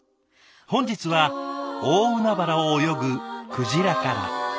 本日は大海原を泳ぐ鯨から。